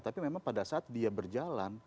tapi memang pada saat dia berjalan